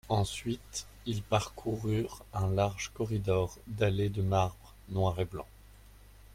Ensuite ils parcoururent un large corridor dallé de marbre noir et blanc.